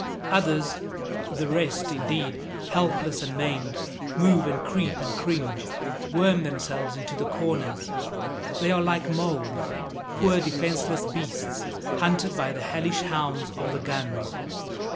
Others the rest, indeed helpless and maimed, move and creep and cringe, worm themselves into the corners. They are like moles, poor, defenseless beasts, hunted by the hellish hounds of the guns.